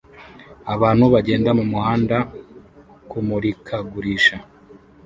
Abantu bagenda mumuhanda kumurikagurisha